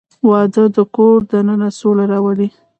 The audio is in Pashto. • واده د کور دننه سوله راولي.